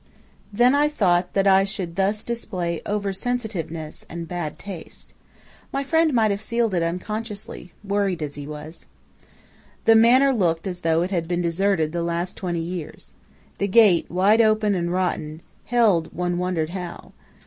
Then I thought that I should thus display over sensitiveness and bad taste. My friend might have sealed it unconsciously, worried as he was. "The manor looked as though it had been deserted the last twenty years. The gate, wide open and rotten, held, one wondered how.